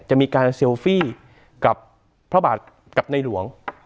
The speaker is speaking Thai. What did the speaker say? จะมีการเซลฟี่กับพระบาทกับในหลวง